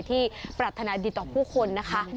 ที่ปรั๐๑ต่อผู้คนนะคะ